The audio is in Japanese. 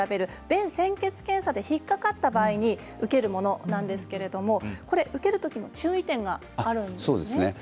便潜血検査で引っ掛かったら受けるものなんですけれども受けるときの注意点があるんですよね。